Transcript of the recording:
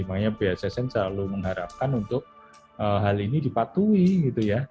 makanya bssn selalu mengharapkan untuk hal ini dipatuhi gitu ya